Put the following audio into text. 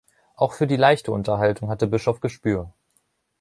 Auch für die leichte Unterhaltung hatte Bischoff Gespür.